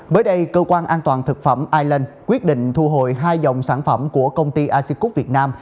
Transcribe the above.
bới đây cơ quan an toàn thực phẩm island quyết định thu hồi hai dòng sản phẩm của công ty asicut việt nam